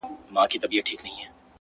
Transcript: دا له هغه مرورو مرور دی’